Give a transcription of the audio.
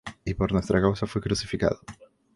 y por nuestra causa fue crucificado